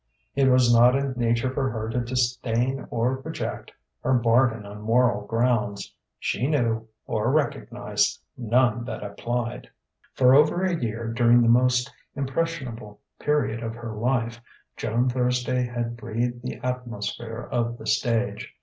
It was not in nature for her to disdain or reject her bargain on moral grounds: she knew, or recognized, none that applied. For over a year during the most impressionable period of her life, Joan Thursday had breathed the atmosphere of the stage.